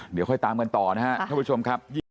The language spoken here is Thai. ให้ตามกันต่อนะครับ